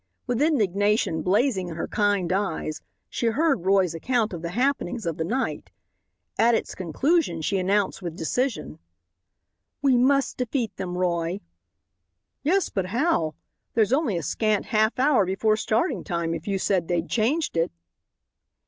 With indignation blazing in her kind eyes she heard Roy's account of the happenings of the night. At its conclusion she announced with decision: "We must defeat them, Roy." "Yes, but how? There's only a scant half hour before starting time if you said they'd changed it."